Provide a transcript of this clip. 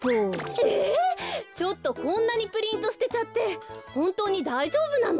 ちょっとこんなにプリントすてちゃってほんとうにだいじょうぶなの？